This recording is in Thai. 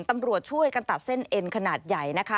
ตำรวจช่วยกันตัดเส้นเอ็นขนาดใหญ่นะคะ